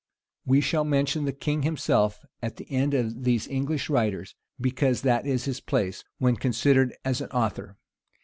We shall mention the king himself at the end of these English writers; because that is his place, when considered as an author.